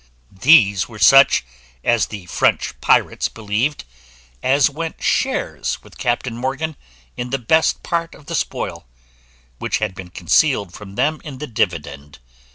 These were such (as the French pirates believed) as went shares with Captain Morgan in the best part of the spoil, which had been concealed from them in the dividend.